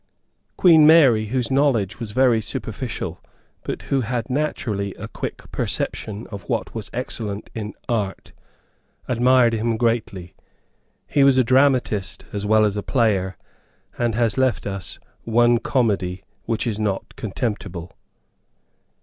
Queen Mary, whose knowledge was very superficial, but who had naturally a quick perception of what was excellent in art, admired him greatly. He was a dramatist as well as a player, and has left us one comedy which is not contemptible.